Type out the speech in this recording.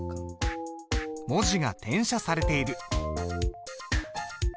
文字が転写されている。